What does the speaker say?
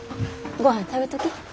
ごはん食べとき。